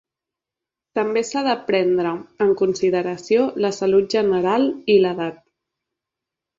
També s'ha de prendre en consideració la salut general i l'edat.